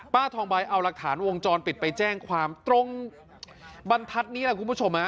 ทองใบเอาหลักฐานวงจรปิดไปแจ้งความตรงบรรทัศน์นี้แหละคุณผู้ชมฮะ